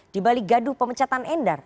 di balik gaduh pemecatan endar